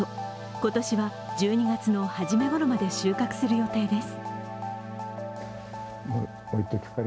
今年は１２月の初めごろまで収穫する予定です。